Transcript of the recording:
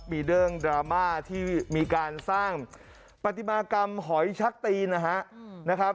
มีเรื่องดราม่าที่มีการสร้างปฏิมากรรมหอยชักตีนนะครับ